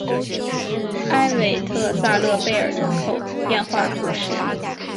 埃韦特萨勒贝尔人口变化图示